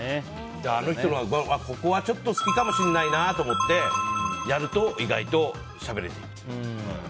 あの人、ここはちょっと好きかもしれないなと思ってやると意外としゃべれる。